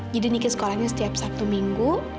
jadi niki sekolahnya setiap sabtu minggu